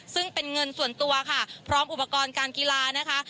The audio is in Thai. ซึ่งเป็นเงินส่วนตัวค่ะพร้อมอุปกรณ์การกีฬานะคะ